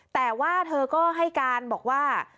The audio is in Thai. แต่ว่าเธอก็ให้การบอกว่า